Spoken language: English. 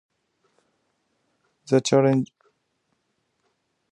The challenges ranged from the local planning level to a High Court appeal.